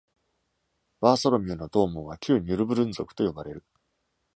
Bartholomew の同門は「旧ニュルブルン族」と呼ばれる。